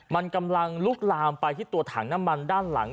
มันกำลังลุกลามไปที่ตัวถังน้ำมันด้านหลัง